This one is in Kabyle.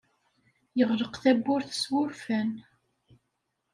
Yeɣleq tawwurt s wurfan.